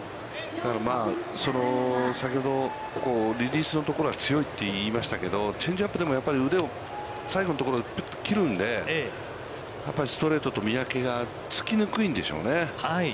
だから先ほどリリースのところが強いと言いましたけど、チェンジアップでもやっぱり腕を最後のところ、切るので、やっぱりストレートと見分けがつきにくいんでしょうね。